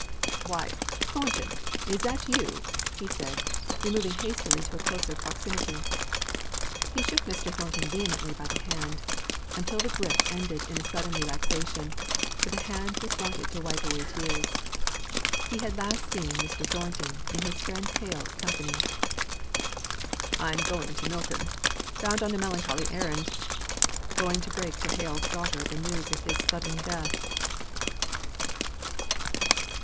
"Why, Thornton! is that you?" said he, removing hastily to a closer proximity. He shook Mr. Thornton vehemently by the hand, until the gripe ended in a sudden relaxation, for the hand was wanted to wipe away tears. He had last seen Mr. Thornton in his friend Hale's company. "I'm going to Milton, bound on a melancholy errand. Going to break to Hale's daughter the news of his sudden death!"